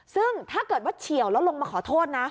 ซึ่งถ้าเกิดว่าเฉียวแล้วลงมาขอโทษนะ